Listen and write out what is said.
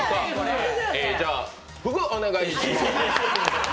じゃあふぐ、お願いします。